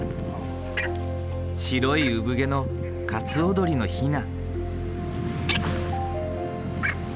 白い産毛のカツオドリのヒナ。